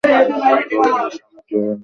ভবনটির সামনে একটি বাগান রয়েছে।